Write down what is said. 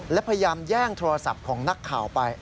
และพยายามแย่งโทรศัพท์ของนักข่าวไป